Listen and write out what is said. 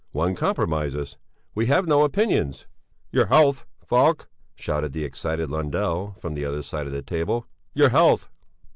One compromises. We have no opinions." "Your health, Falk!" shouted the excited Lundell, from the other side of the table. "Your health!"